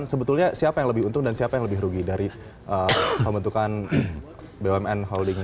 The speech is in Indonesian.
sebetulnya siapa yang lebih untung dan siapa yang lebih rugi dari pembentukan bumn holding